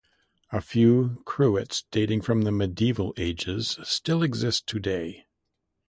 A few cruets dating from the Medieval ages still exist today.